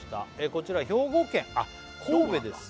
こちら兵庫県あっ神戸です